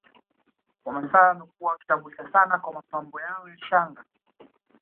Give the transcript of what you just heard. Wamasai wamekuwa wakitambulika sana kwa mapambo yao ya shanga